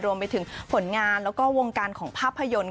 รวมไปถึงผลงานแล้วก็วงการของภาพยนตร์